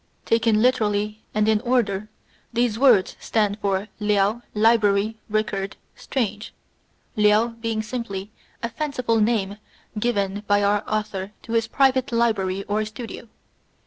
Taken literally and in order, these words stand for "Liao library record strange," "Liao" being simply a fanciful name given by our author to his private library or studio.